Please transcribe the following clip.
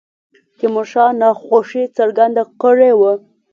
تیمور شاه ناخوښي څرګنده کړې وه.